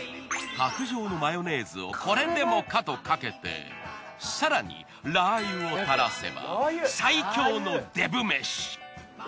卓上のマヨネーズをこれでもかとかけて更にラー油をたらせば最強のデブ飯。